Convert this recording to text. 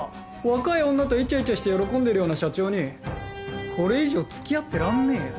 若い女とイチャイチャして喜んでるような社長にこれ以上付き合ってらんねえよ！